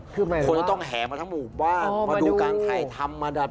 คนจะต้องแหมาทั้งหมู่บ้านมาดูการถ่ายธรรม